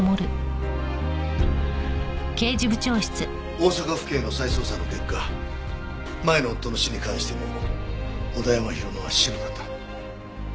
大阪府警の再捜査の結果前の夫の死に関しても小田山浩乃はシロだった。